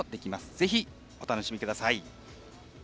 ぜひ、お楽しみください。